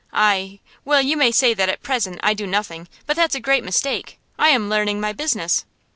I well, you may say that at present I do nothing; but that's a great mistake, I am learning my business.